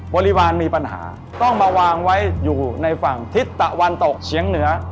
ริวารมีปัญหาต้องมาวางไว้อยู่ในฝั่งทิศตะวันตกเฉียงเหนือ